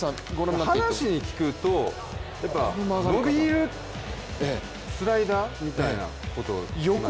話に聞くと、伸びるスライダーみたいなことを聞きますね。